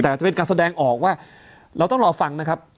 แต่จะเป็นการแสดงออกว่าเราต้องรอฟังนะครับ